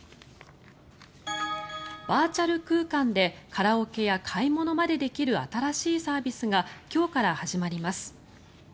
バーチャル空間でカラオケや買い物までできる新しいサービスが今日から始まります。